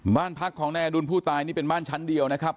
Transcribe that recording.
บ้านพักของนายอดุลผู้ตายนี่เป็นบ้านชั้นเดียวนะครับ